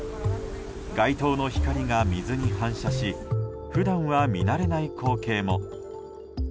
街灯の光が水に反射し普段は見慣れない光景も。